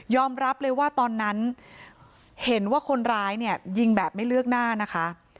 รับเลยว่าตอนนั้นเห็นว่าคนร้ายเนี่ยยิงแบบไม่เลือกหน้านะคะ